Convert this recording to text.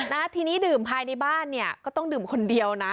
นะทีนี้ดื่มภายในบ้านเนี่ยก็ต้องดื่มคนเดียวนะ